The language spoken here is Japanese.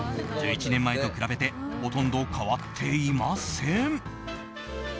１１年前と比べてほとんど変わっていません。